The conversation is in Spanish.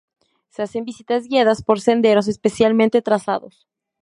Se hacen visitas guiadas por senderos especialmente trazados.